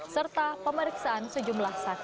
serta pemeriksaan sejumlah saksi